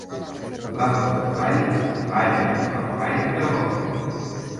L'amo del ball, balla el ball que vol.